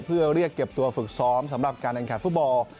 เพื่อเรียกเก็บตัวฝึกซ้อมสำหรับการแข่งขันฟุตบอล